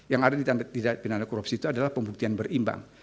yang ada di tindak pidana korupsi itu adalah pembuktian berimbang